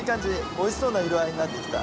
おいしそうな色合いになってきた。